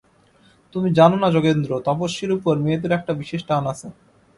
তুমি জান না যোগেন্দ্র, তপস্বীর উপর মেয়েদের একটা বিশেষ টান আছে।